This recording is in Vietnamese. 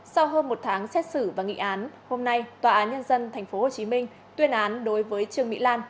sau hơn một tháng xét xử và nghị án hôm nay tòa án nhân dân tp hcm tuyên án đối với trương mỹ lan